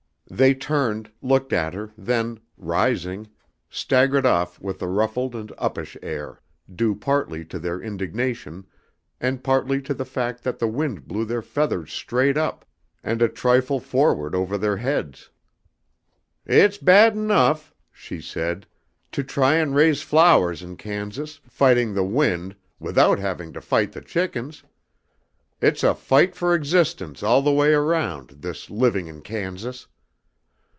They turned, looked at her, then, rising, staggered off with a ruffled and uppish air, due partly to their indignation and partly to the fact that the wind blew their feathers straight up, and a trifle forward over their heads. "It's bad enough," she said, "to try and raise flowers in Kansas, fighting the wind, without having to fight the chickens. It's a fight for existence all the way round, this living in Kansas."